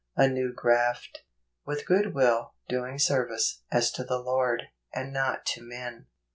A New Graft. ." With good will, doing service, as to the Lord , and not to men."